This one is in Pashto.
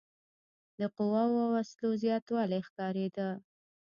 د قواوو او وسلو زیاتوالی ښکارېده.